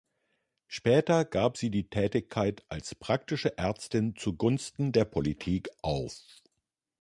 Später gab sie die Tätigkeit als praktische Ärztin zugunsten der Politik auf.